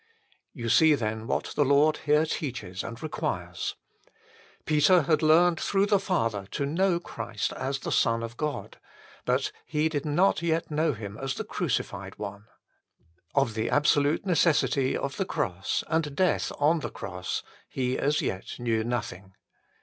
You see, then, what the Lord here teaches and requires. Peter had learned through the Father to know Christ as the Son of God, but he did not yet know Him as the Crucified One. Of the absolute necessity of the Cross, and death on the Cross, he as yet knew nothing.